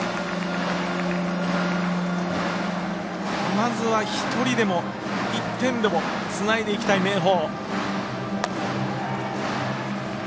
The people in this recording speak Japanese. まずは１人でも１点でもつないでいきたい明豊。